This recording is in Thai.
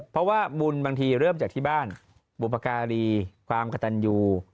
เพราะว่าบุญบางทีเริ่มจากที่บ้านบุพการีความกระตันยู